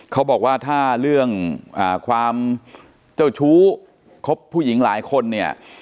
เขาบอกว่าถ้าเรื่องความเจ้าชู้คบผู้หญิงหลายคนเนี่ย